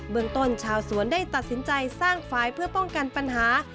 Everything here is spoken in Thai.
เมืองต้นชาวสวนได้ตัดสินใจสร้างฝ่ายเพื่อป้องกันปัญหา